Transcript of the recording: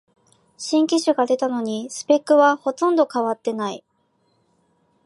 新機種が出たのにスペックはほとんど変わってない